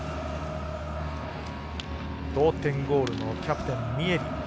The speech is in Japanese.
同点ゴールのキャプテン、ミエリ。